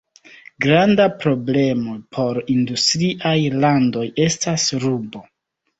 Granda problemo por industriaj landoj estas rubo.